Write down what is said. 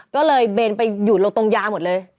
ก็เลยเบนไปหยุดโลกตรงยาหมดเลย